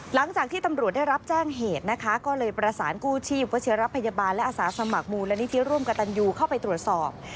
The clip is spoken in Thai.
หลังจากที่ตำรวจได้รับแจ้งเหตุนะคะก็เลยประสานกู้ชีพวัชิรพยาบาลและอาสาสมัครมูลนิธิร่วมกับตันยูเข้าไปตรวจสอบ